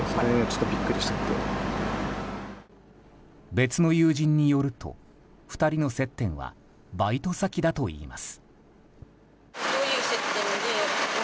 別の友人によると２人の接点はバイト先だといいます。